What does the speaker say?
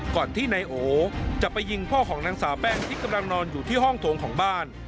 ก่อนที่นายโอจะไปยิงพ่อของนางสาวแป้งที่กำลังนอนอยู่ที่ห้องโถงของบ้าน